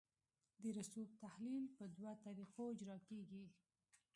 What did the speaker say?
د رسوب تحلیل په دوه طریقو اجرا کیږي